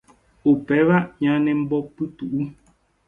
Upéva ñanembopytu'u.